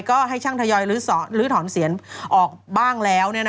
ก็ให้ช่างทยอยลื้อถอนเสียงออกบ้างแล้ว